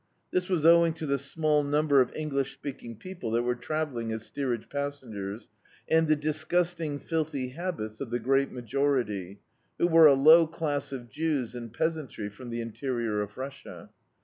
This was owing to the small number of English speaking people that were travelling as steerage passengers, and the disgusting, filthy habits of the great majority, who were a low class of Jews and peasantry from the interior of Russia.